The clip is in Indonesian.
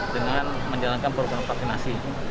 dengan menjalankan program vaksinasi